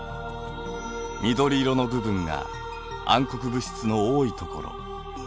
緑色の部分が暗黒物質の多いところ。